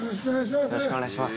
よろしくお願いします。